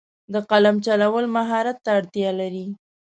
د قلم چلول مهارت ته اړتیا لري.